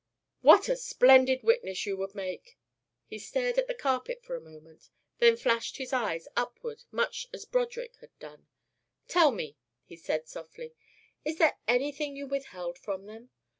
"What a splendid witness you would make!" He stared at the carpet for a moment, then flashed his eyes upward much as Broderick had done. "Tell me," he said softly, "is there anything you withheld from them?